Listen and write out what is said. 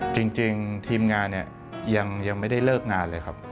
จริงทีมงานเนี่ยยังไม่ได้เลิกงานเลยครับ